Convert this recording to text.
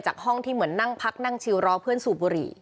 ห้องที่เหมือนนั่งพักนั่งชิวรอเพื่อนสูบบุหรี่